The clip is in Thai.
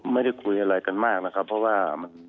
ไม่ได้คุยอะไรกันมากนะครับเพราะว่า